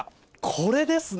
これですね。